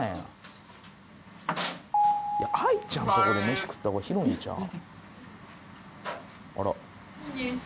いや愛ちゃんとこで飯食った方が広いんちゃう？